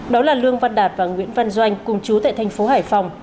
đó là lương văn đạt và nguyễn văn doanh cùng chú tại thành phố hải phòng